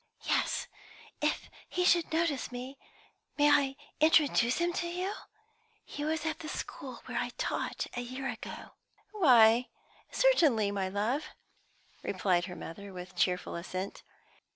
"Yes. If he should notice me, may I introduce him to you? He was at the school where I taught a year ago." "Why, certainly, my love," replied her mother, with cheerful assent.